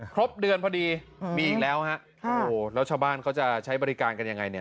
ครบเดือนพอดีมีอีกแล้วแล้วชาวบ้านเขาจะใช้บริการกันยังไง